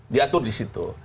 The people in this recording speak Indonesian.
diatur di situ